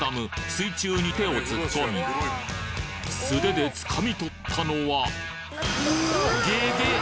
水中に手を突っ込み素手で掴みとったのはゲゲッ！